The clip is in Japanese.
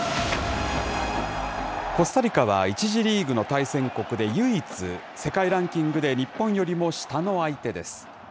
コスタリカは１次リーグの対戦国で唯一、世界ランキングで日本よりも下の相手です。